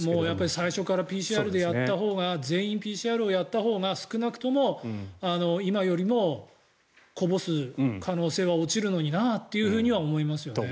最初からＰＣＲでやったほうが全員ＰＣＲでやったほうが少なくとも、今よりもこぼす可能性は落ちるのになというふうには思いますよね。